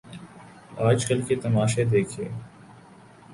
آج کل کے تماشے دیکھیے۔